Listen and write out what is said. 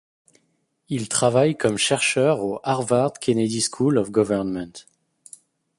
Il travaille comme chercheur au Harvard Kennedy School of Government.